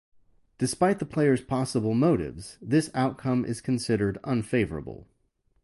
Despite the player's possible motives, this outcome is considered "unfavorable".